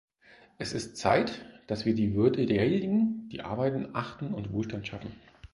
Es ist Zeit, dass wir die Würde derjenigen, die arbeiten, achten und Wohlstand schaffen.